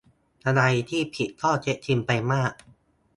อะไรที่ผิดข้อเท็จจริงไปมาก